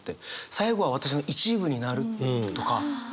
「最後は私の一部になる」とか「馴れる」。